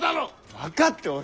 分かっておる！